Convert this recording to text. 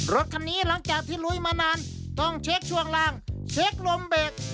รถคันนี้หลังจากที่ลุยมานานต้องเช็คช่วงล่างเช็คลมเบรก